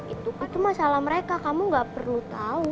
itu masalah mereka kamu gak perlu tahu